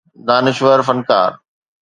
دانشور فنڪار